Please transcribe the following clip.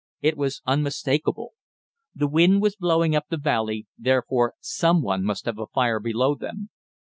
It was unmistakable. The wind was blowing up the valley; therefore someone must have a fire below them.